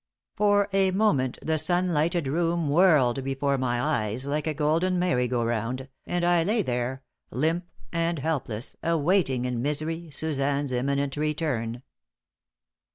For a moment the sun lighted room whirled before my eyes like a golden merry go round, and I lay there, limp and helpless, awaiting in misery Suzanne's imminent return.